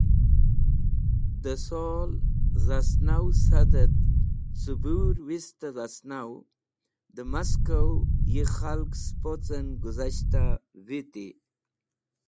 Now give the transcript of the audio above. Dẽ sol dhasnaw sad et cẽbũrwist-e dhasnaw, dẽ Moskow yi khalg spocen guzashta viti.